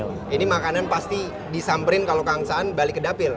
nah ini makanan pasti disamperin kalau kang saan balik ke dapil